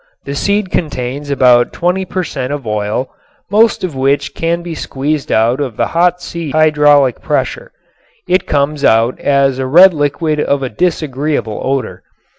The seed contains about twenty per cent. of oil, most of which can be squeezed out of the hot seeds by hydraulic pressure. It comes out as a red liquid of a disagreeable odor.